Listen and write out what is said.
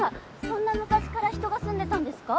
そんな昔から人が住んでたんですか？